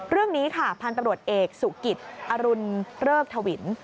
เรื่องนี้ค่ะพันธุ์ตำรวจเอกสุกิตอรุณเริกทวิน